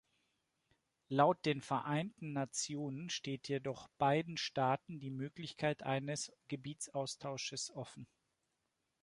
Laut den Vereinten Nationen steht jedoch beiden Staaten die Möglichkeit eines Gebietsaustausches offen.